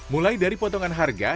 mulai dari potongan harga